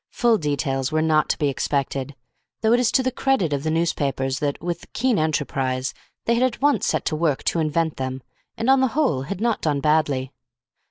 Full details were not to be expected, though it is to the credit of the newspapers that, with keen enterprise, they had at once set to work to invent them, and on the whole had not done badly.